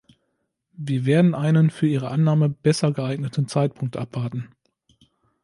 Wir werden einen für ihre Annahme besser geeigneten Zeitpunkt abwarten.